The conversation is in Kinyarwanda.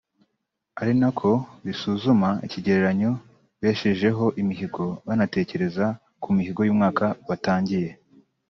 ari nako bisuzuma ikigereranyo beshejeho imihigo banatekereza ku mihigo y’umwaka batangiye